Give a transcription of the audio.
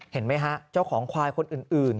เห็นไหมฮะเจ้าของควายคนอื่น